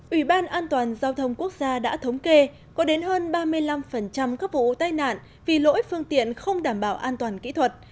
ủy ban an toàn giao thông quốc gia đã thống kê có đến hơn ba mươi năm các vụ tai nạn vì lỗi phương tiện không đảm bảo an toàn kỹ thuật